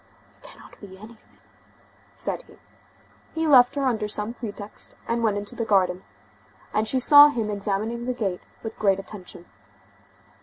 "It cannot be anything," said he. He left her under some pretext, and went into the garden, and she saw him examining the gate with great attention.